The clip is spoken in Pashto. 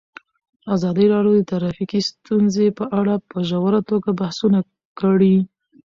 ازادي راډیو د ټرافیکي ستونزې په اړه په ژوره توګه بحثونه کړي.